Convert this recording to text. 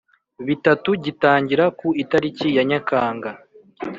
Bitatu gitangira ku itariki ya nyakanga